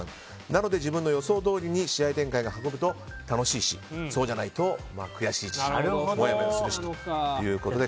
なので自分の予想どおりに試合展開が運ぶと楽しいし、そうじゃないと悔しいしということで。